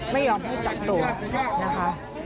ไม่ยอมให้จับตัวนะคะ